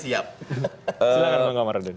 silahkan pak merdani